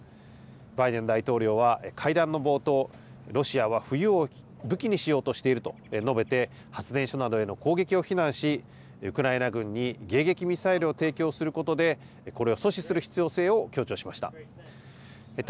バイデン大統領は会談の冒頭、ロシアは冬を武器にしようとしていると述べて、発電所などへの攻撃を非難し、ウクライナ軍に迎撃ミサイルを提供することで、これを阻止する必要性を強調しました。